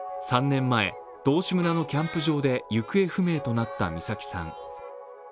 ３年前、道志村のキャンプ場で行方不明となった美咲さん。